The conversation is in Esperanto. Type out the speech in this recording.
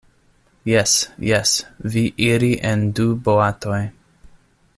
Jes, jes, vi iri en du boatoj.